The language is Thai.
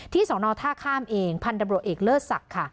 สอนอท่าข้ามเองพันธบรวจเอกเลิศศักดิ์ค่ะ